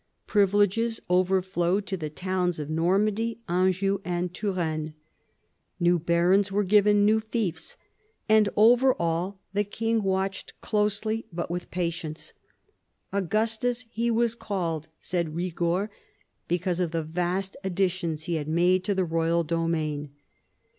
Privileges overflowed to the towns of Normandy, Anjou, and Touraine. New barons were given new fiefs. And over all the king watched closely, but with patience. Augustus he was called, said Rigord, because of the vast additions he had made to the royal domain.